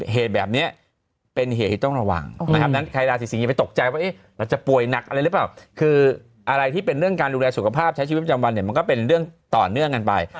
เหตุแบบนี้เป็นเหตุที่ต้องระวังนะครับดังนั้นใครราศีสิงอย่าไปตกใจว่าเราจะป่วยหนักอะไรหรือเปล่าคืออะไรที่เป็นเรื่องการดูแลสุขภาพใช้ชีวิตประจำวันเนี่ยมันก็เป็นเรื่องต่อเนื่องกันไป